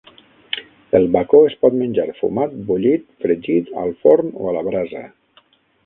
El bacó es pot menjar fumat, bullit, fregit, al forn o a la brasa.